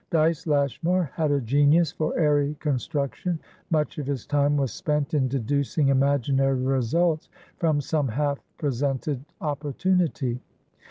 Dyce Lashmar had a genius for airy construction; much of his time was spent in deducing imaginary results from some half presented opportunity.